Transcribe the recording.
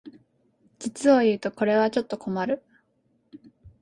実をいうとこれはちょっと困る